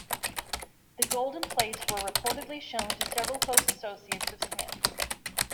The golden plates were reportedly shown to several close associates of Smith.